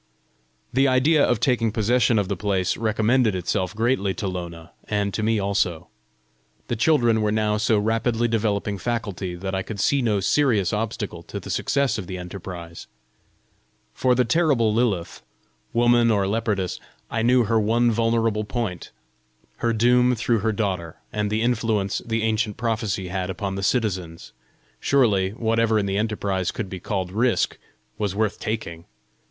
The idea of taking possession of the place, recommended itself greatly to Lona and to me also. The children were now so rapidly developing faculty, that I could see no serious obstacle to the success of the enterprise. For the terrible Lilith woman or leopardess, I knew her one vulnerable point, her doom through her daughter, and the influence the ancient prophecy had upon the citizens: surely whatever in the enterprise could be called risk, was worth taking!